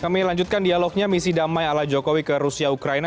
kami lanjutkan dialognya misi damai ala jokowi ke rusia ukraina